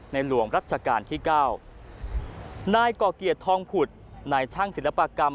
หลวงรัชกาลที่เก้านายก่อเกียรติทองผุดนายช่างศิลปกรรม